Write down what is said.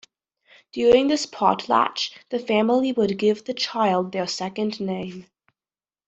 During this potlatch, the family would give the child their second name.